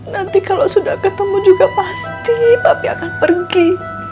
nanti kalau sudah ketemu juga pasti babi akan pergi